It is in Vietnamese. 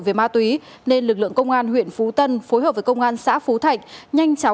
về ma túy nên lực lượng công an huyện phú tân phối hợp với công an xã phú thạnh